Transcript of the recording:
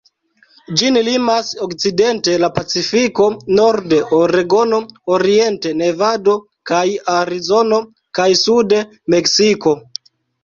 Ĝin limas okcidente la Pacifiko, norde Oregono, oriente Nevado kaj Arizono, kaj sude Meksiko.